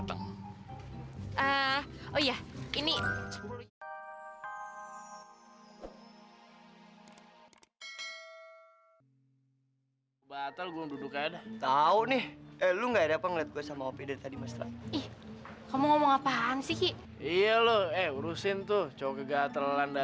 sampai jumpa di video selanjutnya